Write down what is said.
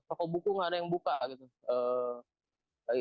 toko buku gak ada yang buka gitu